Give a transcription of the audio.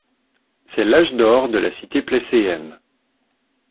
C'est l’âge d’or de la cité plesséenne.